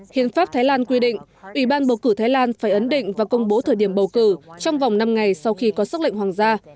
hiến pháp thái lan quy định ủy ban bầu cử thái lan phải ấn định và công bố thời điểm bầu cử trong vòng năm ngày sau khi có xác lệnh hoàng gia